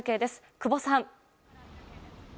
久保さん。